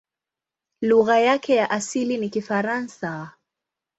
Lugha yake ya asili ni Kifaransa.